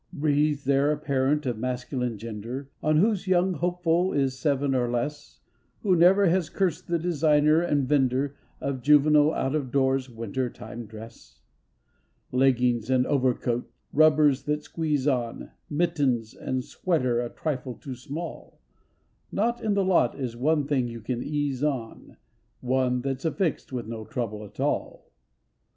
Breathes there a parent of masculine gender, One whose young hopeful is seven or less, Who never has cursed the designer and vender Of juvenile out of doors winter time dress? Leggings and overcoat, rubbers that squeeze on, Mittens and sweater a trifle too small; Not in the lot is one thing you can ease on, One that's affixed with no trouble at all.